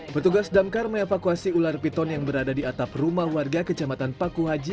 pertugas damkar me evakuasi ular piton yang berada di atap rumah warga kecamatan pakuhaji